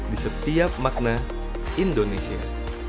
di setiap makna indonesia